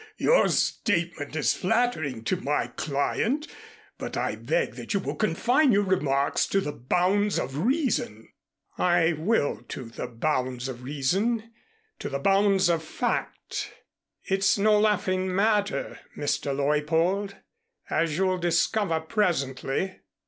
Your statement is flattering to my client, but I beg that you will confine your remarks to the bounds of reason." "I will to the bounds of reason, to the bounds of fact. It's no laughing matter, Mr. Leuppold, as you'll discover presently.